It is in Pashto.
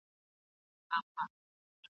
ما، پنځه اویا کلن بوډا ..